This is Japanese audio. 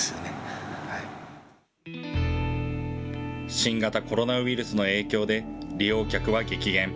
新型コロナウイルスの影響で、利用客は激減。